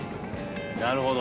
なるほど。